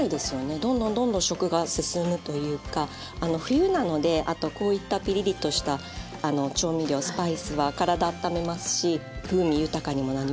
どんどんどんどん食が進むというか冬なのであとこういったピリリとした調味料・スパイスは体あっためますし風味豊かにもなりますしよく使います。